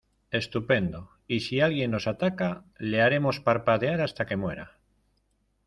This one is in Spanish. Estupendo. Y si alguien nos ataca, le haremos parpadear hasta que muera .